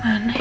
gak ada sih